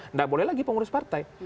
tidak boleh lagi pengurus partai